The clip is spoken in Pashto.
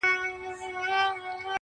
التفات دي د نظر نظر بازي کوي نیاز بیني,